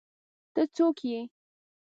ته څوک ئې؟